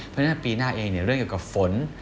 เพราะฉะนั้นปีหน้าเองเรื่องเกี่ยวกับฝน